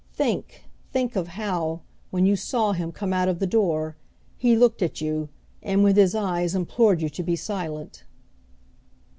Think, think, of how, when you saw him come out of the door, he looked at you, and with his eyes implored you to be silent!"